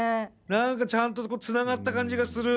何かちゃんとつながった感じがする。